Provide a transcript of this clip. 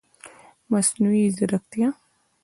مصنوعي ځرکتیا